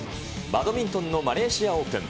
バドミントンのマレーシアオープン。